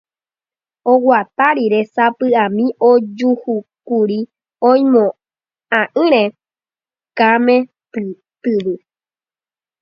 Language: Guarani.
oguata rire sapy'ami ojuhúkuri oimo'ã'ỹre Kame tyvy.